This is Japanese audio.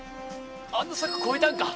あの柵越えたんか？